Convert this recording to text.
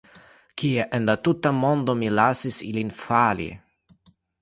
Kie en la tuta mondo mi lasis ilin fali?